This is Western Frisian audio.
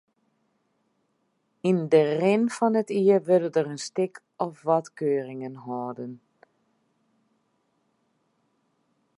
Yn de rin fan it jier wurde in stik of wat keuringen holden.